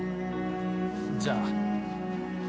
じゃあ。